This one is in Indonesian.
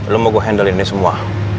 lo mau gue handle ini semua